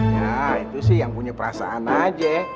ya itu sih yang punya perasaan aja